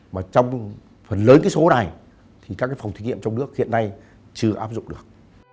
mà trong phần lớn cái số này thì các cái phòng thí nghiệm trong nước hiện nay chưa áp dụng được